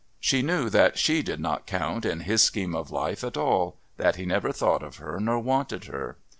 She knew that she did not count in his scheme of life at all, that he never thought of her nor wanted her.